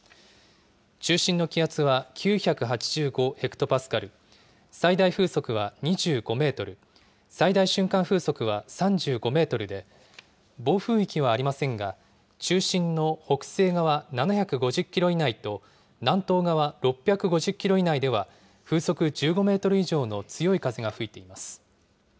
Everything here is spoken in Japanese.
中心の気圧は９８５ヘクトパスカル、最大風速は２５メートル、最大瞬間風速は３５メートルで、暴風域はありませんが、中心の北西側７５０キロ以内と、南東側６５０キロ以内では、風速１５メートル以上の強い風が吹いています。